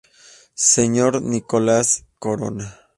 Sr. Nicolás Corona.